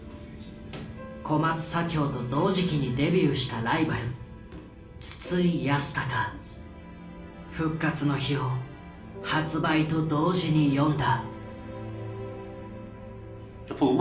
小松左京と同時期にデビューしたライバル「復活の日」を発売と同時に読んだ。